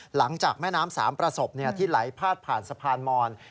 หลังจากแม่น้ำสามประสบที่ไหลพาดผ่านสะพานมอน